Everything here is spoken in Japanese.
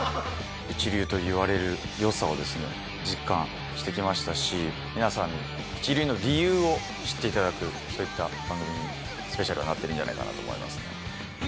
一流といわれるよさを実感してきましたし、皆さんに一流の理由を知っていただく、そういった番組に、スペシャルはなっているんじゃないかと思います。